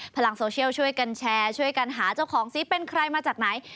พลังโซเชียลช่วยกันแชร์ช่วยกันหาเจ้าของซิเป็นใครมาจากไหน